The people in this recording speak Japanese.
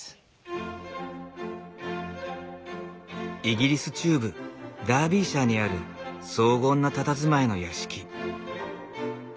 イギリス中部ダービーシャーにある荘厳なたたずまいの屋敷。